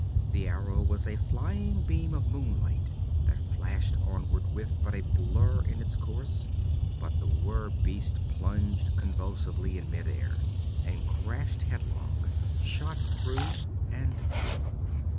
The arrow was a flying beam of moonlight that flashed onward with but a blur in its course, but the were beast plunged convulsively in midair and crashed headlong, shot through and through.